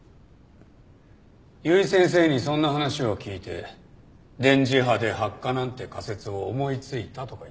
由井先生にそんな話を聞いて電磁波で発火なんて仮説を思いついたとか言ったね。